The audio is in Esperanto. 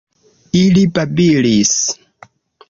Ili babilis.